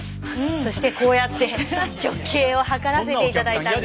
そしてこうやって直径を測らせて頂いたんです。